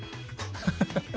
ハハハハッ。